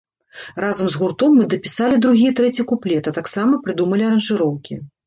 Разам з гуртом, мы дапісалі другі і трэці куплет, а таксама прыдумалі аранжыроўкі.